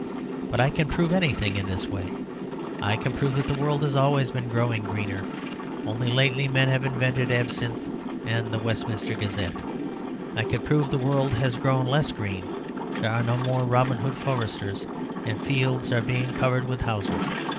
But I can prove anything in this way. I can prove that the world has always been growing greener. Only lately men have invented absinthe and the Westminster Gazette. I could prove the world has grown less green. There are no more Robin Hood foresters, and fields are being covered with houses.